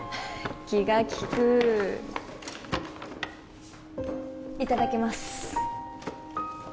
気が利くいただきます